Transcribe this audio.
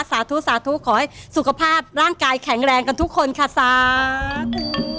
สาธุสาธุขอให้สุขภาพร่างกายแข็งแรงกันทุกคนค่ะซัก